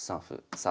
さあ